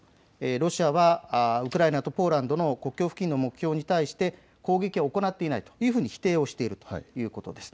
ロシアはウクライナとポーランドの国境付近の目標に対して攻撃を行っていないと否定しているということです。